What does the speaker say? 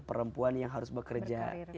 perempuan yang harus bekerja